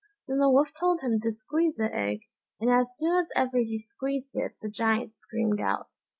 Then the Wolf told him to squeeze the egg, and as soon as ever he squeezed it the Giant screamed out.